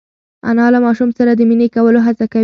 انا له ماشوم سره د مینې کولو هڅه کوي.